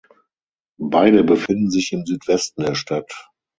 Beide befinden sich im Südwesten der Stadt.